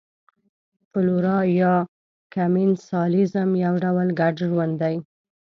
فلورا یا کمېنسالیزم یو ډول ګډ ژوند دی.